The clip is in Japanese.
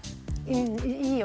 いいよ